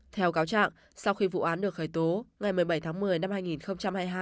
theo cáo trạng sau khi vụ án được khởi tố ngày một mươi bảy tháng một mươi năm hai nghìn hai mươi hai